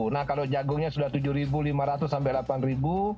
nah kalau jagungnya sudah rp tujuh lima ratus sampai rp delapan